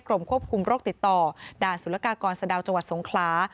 กรมควบคุมโรคติดต่อด่านศูนยากากรสดาวจสงครา